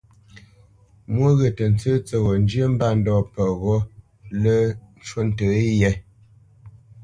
Mwô ghyə̂ tə tsə́ tsə́ghō njyə́ mbândɔ̂ peghó lə́ ncú ntə yē.